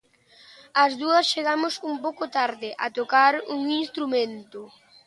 As dúas chegamos un pouco tarde a tocar un instrumento.